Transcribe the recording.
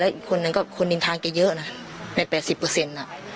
และอีกคนนั้นก็คนลินทาเกรียร์เยอะน่ะใน๘๐น่ะ